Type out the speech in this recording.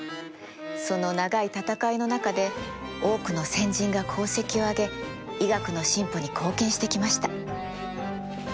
その長い闘いの中で多くの先人が功績をあげ医学の進歩に貢献してきました。